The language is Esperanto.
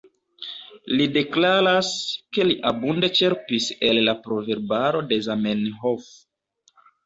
Li deklaras, ke li abunde ĉerpis el la Proverbaro de Zamenhof.